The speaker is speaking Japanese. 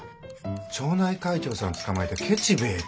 町内会長さんつかまえてケチ兵衛て。